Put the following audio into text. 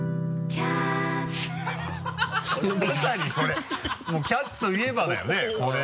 まさにこれもう「キャッチ！」といえばだよねこれ。